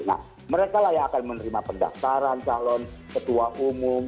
nah mereka layak akan menerima pendaftaran calon ketua umum